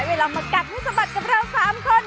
อันนี้เรามากัดคู่สบัดกับเรา๓คน